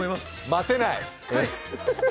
待てない。